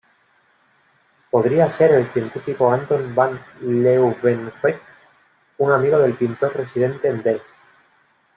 Podría ser el científico Anton van Leeuwenhoek, un amigo del pintor residente en Delft.